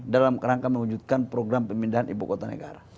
dalam kerangka mewujudkan program pemindahan ibu kota negara